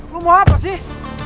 lo mau apa sih